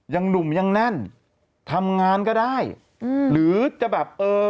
ยังหนุ่มยังแน่นทำงานก็ได้อืมหรือจะแบบเออ